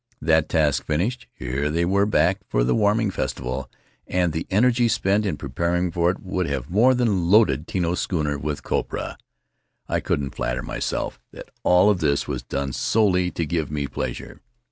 That task finished, here they were back for the warming festival, and the energy spent in preparing for it would have more than loaded Tino's schooner with copra. I couldn't flatter myself that all of this was done solely to give me pleasure.